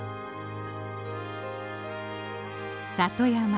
里山。